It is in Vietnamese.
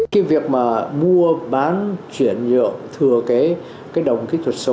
cái việc mà mua bán chuyển nhượng thừa cái đồng kỹ thuật số